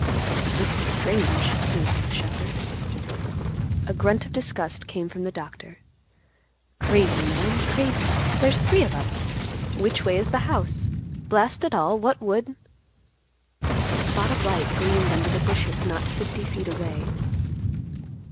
"This is strange," mused the shepherd. A grunt of disgust came from the doctor, "Crazy, man, crazy. There's three of us. Which way is the house? Blast it all, what would—" A spot of light gleamed under the bushes not fifty feet away.